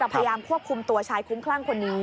พยายามควบคุมตัวชายคุ้มคลั่งคนนี้